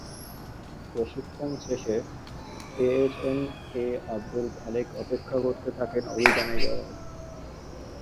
প্রশিক্ষণ শেষে A S M A Abdul Khalek অপেক্ষা করতে থাকেন অভিযানে যাওয়ার।